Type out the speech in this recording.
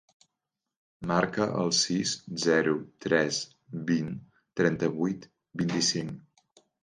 Marca el sis, zero, tres, vint, trenta-vuit, vint-i-cinc.